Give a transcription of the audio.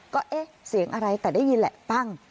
ก็เอ๊ะเสียงอะไรแต่ได้ยินแหละปั้ง